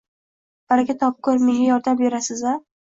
— Baraka topkur, menga yordam berarsiz-a?